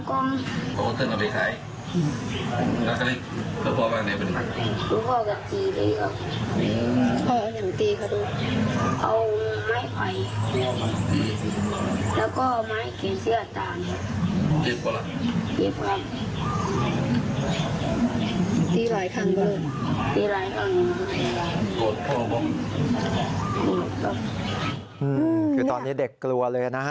คือตอนนี้เด็กกลัวเลยนะฮะ